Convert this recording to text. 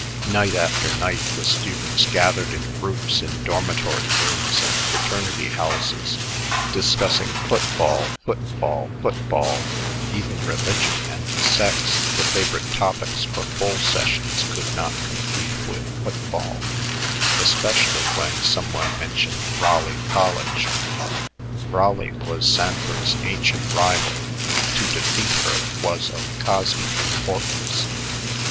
Night after night the students gathered in groups in dormitory rooms and fraternity houses, discussing football, football, football; even religion and sex, the favorite topics for "bull sessions," could not compete with football, especially when some one mentioned Raleigh College. Raleigh was Sanford's ancient rival; to defeat her was of cosmic importance.